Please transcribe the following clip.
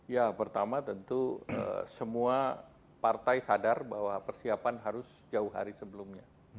ya pertama tentu semua partai sadar bahwa persiapan harus jauh hari sebelumnya